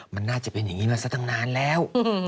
มันน่าจะเป็นอย่างนี้มาสักตั้งนานแล้ว